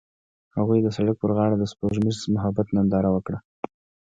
هغوی د سړک پر غاړه د سپوږمیز محبت ننداره وکړه.